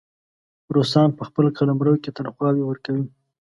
روسان په خپل قلمرو کې تنخواوې ورکوي.